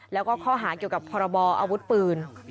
แล้วก็ข้อหาเกี่ยวกับพรบออาวุธปืน